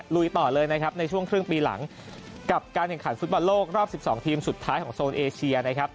ลุยต่อเลยนะครับในช่วงครึ่งปีหลังกับการแข่งขันฟุตบอลโลกรอบ๑๒ทีมสุดท้ายของโซนเอเชียนะครับ